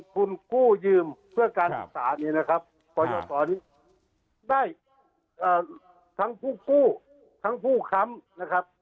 เพื่อการศึกษานี้นะครับได้อ่าทั้งผู้คู่ทั้งผู้คำนะครับ